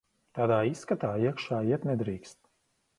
Tādā izskatā iekšā iet nedrīkst.